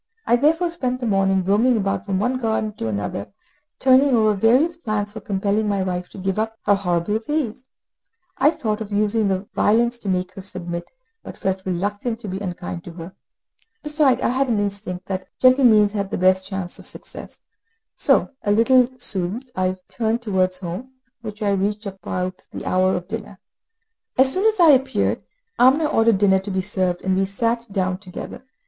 I therefore spent the morning roaming about from one garden to another, turning over various plans for compelling my wife to give up her horrible ways; I thought of using violence to make her submit, but felt reluctant to be unkind to her. Besides, I had an instinct that gentle means had the best chance of success; so, a little soothed, I turned towards home, which I reached about the hour of dinner. As soon as I appeared, Amina ordered dinner to be served, and we sat down together.